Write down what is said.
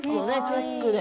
チェックで。